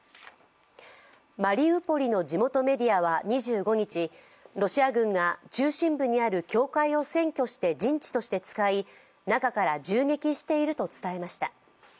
マリウポリの地元メディアは２５日ロシア軍が中心部にある教会を占拠して陣地として使い、中から銃撃していると伝えました。